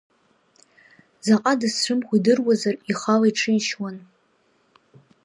Заҟа дысцәымӷу идыруазар, ихала иҽишьуан.